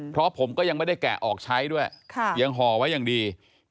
เพราะผมก็ยังไม่ได้แกะออกใช้ด้วยยังห่อไว้อย่างดี